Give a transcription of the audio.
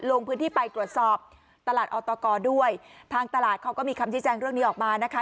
ลงพื้นที่ไปตรวจสอบตลาดออตกด้วยทางตลาดเขาก็มีคำชี้แจงเรื่องนี้ออกมานะคะ